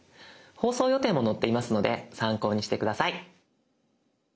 放送予定も載っていますので参考にして下さい。